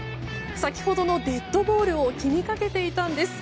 先ほどのデッドボールを気にかけていたんです。